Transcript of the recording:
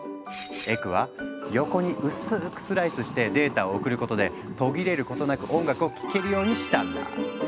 エクはヨコに薄くスライスしてデータを送ることで途切れることなく音楽を聴けるようにしたんだ。